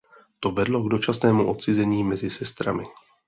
To vedlo k dočasnému odcizení mezi sestrami.